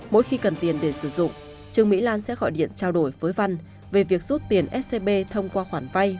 mỗi khi cần tiền để sử dụng trương mỹ lan sẽ gọi điện trao đổi với văn về việc rút tiền scb thông qua khoản vay